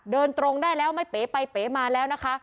เดินตรงได้แล้วไม่เป๋ไปเป๋มาแล้วนะคะ